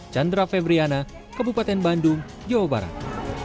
chandra febriana kabupaten bandung jawa barat